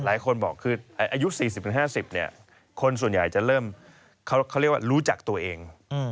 หลายคนบอกคืออายุ๔๐๕๐คนส่วนใหญ่จะเริ่มเขาเรียกว่ารู้จักตัวเอง